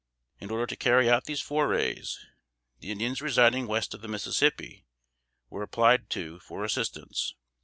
In order to carry out these forays, the Indians residing west of the Mississippi were applied to for assistance.